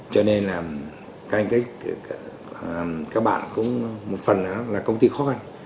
cho nên là các bạn cũng một phần là công ty khó khăn